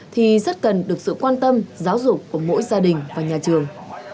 thì rất cần được sự quan tâm giáo dục của mỗi gia đình và nhà trường